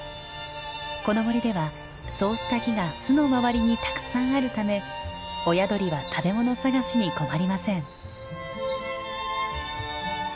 この森ではそうした木が巣の周りにたくさんあるため親鳥は食べ物探しに困りません。